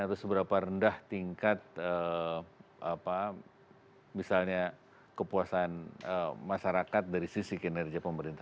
atau seberapa rendah tingkat misalnya kepuasan masyarakat dari sisi kinerja pemerintah